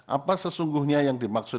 apa sesungguhnya yang dimaksud